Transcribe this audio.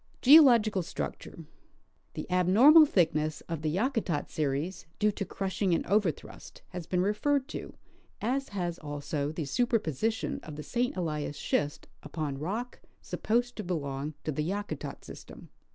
Geological Structure. The abnormal thickness of the Yakutat series, due to crushing and overthrust, has been referred to, as has also the superposi tion of the St. Elias schist upon rock sapposed to belong to the Yakutat system.